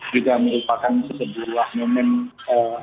juga merupakan sebuah moment